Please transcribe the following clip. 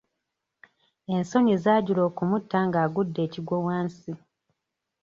Ensonyi zaajula okumutta ng'agudde ekigwo wansi.